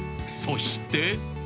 ［そして］